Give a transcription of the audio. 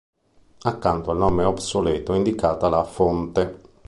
Accanto al nome obsoleto è indicata la fonte.